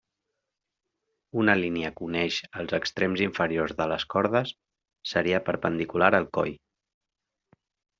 Una línia que uneix els extrems inferiors de les cordes seria perpendicular al coll.